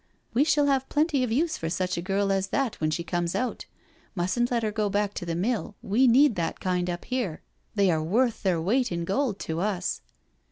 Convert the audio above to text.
We shall have plenty of use for such a girl as that when she comes out— mustn't let her go back to the mill, we need that kind up here — they are worth their weight in gold to us.